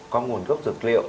có nguồn gốc dược liệu